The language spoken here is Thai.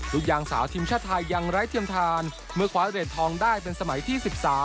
ลูกยางสาวทีมชาติไทยยังไร้เทียมทานเมื่อคว้าเหรียญทองได้เป็นสมัยที่๑๓